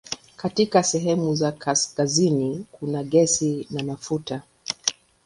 Katika sehemu za kaskazini kuna gesi na mafuta.